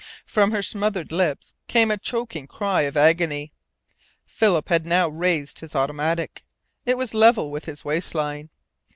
From her smothered lips came a choking cry of agony. Philip had now raised his automatic. It was level with his waistline.